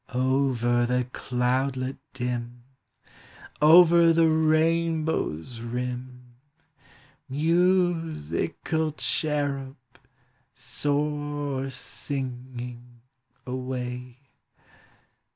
Over the cloudlet dim, Over the rainbow's rim, Musical cherub, soar, singing, away!